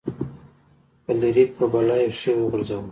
فلیریک په بلا یو شی وغورځاوه.